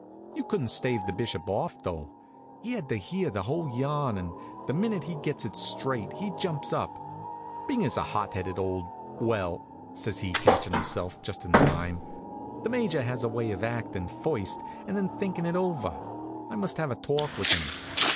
You couldn't stave the Bishop off, though. He had to hear the whole yarn, and the minute he gets it straight he jumps up. "Binger's a hot headed old well," says he, catchin' himself just in time, "the Major has a way of acting first, and then thinking it over. I must have a talk with him."